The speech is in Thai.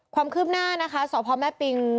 ความคืบหน้านะคะสพแม่ปิง